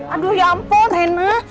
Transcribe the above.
aduh ya ampun rena